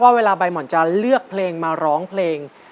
เวลาใบห่อนจะเลือกเพลงมาร้องเพลง